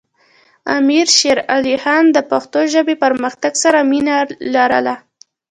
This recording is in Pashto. امیر شیر علی خان د پښتو ژبې پرمختګ سره مینه لرله.